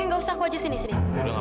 enggak usah wajah sini sini